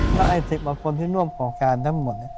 ในปี๙๐คนที่น่วงปกการทั้งหมด